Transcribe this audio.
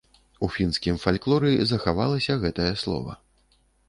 У фінскім фальклоры захавалася гэтае слова.